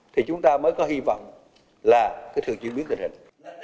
thì chúng ta mới có hy vọng là cứ thường truyền biến tình hình